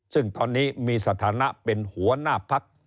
ซึ่งตอนนี้มีสถานะเป็นหัวหน้าพัก